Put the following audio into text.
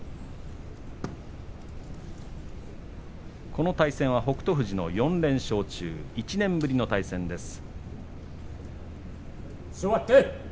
この対戦は北勝富士の４連勝中１年ぶりの対戦です。